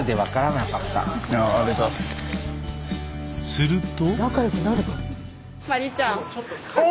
すると。